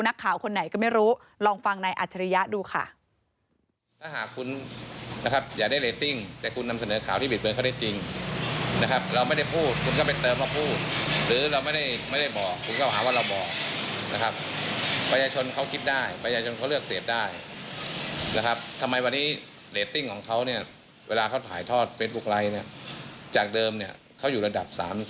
นักข่าวคนไหนก็ไม่รู้ลองฟังนายอัจฉริยะดูค่ะ